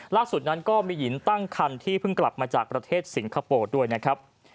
ล่าสุดนั้นก็มีหญิงตั้งคันที่เพิ่งกลับมาจากประเทศสิงคโปร์ด้วยนะครับ